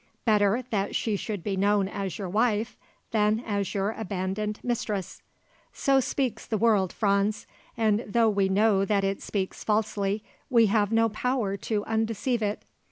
Better that she should be known as your wife than as your abandoned mistress. So speaks the world, Franz. And though we know that it speaks falsely we have no power to undeceive it.